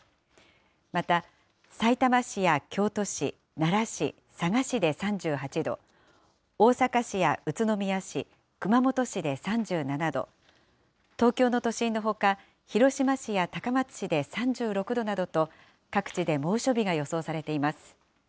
またさいたま市や京都市、奈良市、佐賀市で３８度、大阪市や宇都宮市、熊本市で３７度、東京の都心のほか広島市や高松市で３６度などと、各地で猛暑日が予想されています。